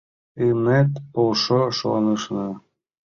Ынет полшо, шонышна.